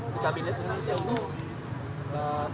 di kabinet indonesia ini